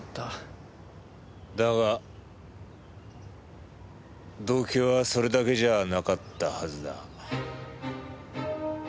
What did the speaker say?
だが動機はそれだけじゃなかったはずだ。